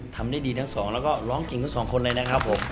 ทำได้ดีด้านสองเราก็ร้องกลิ่นทั้งสองคนนะครับ